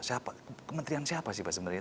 siapa kementerian siapa sih pak sebenarnya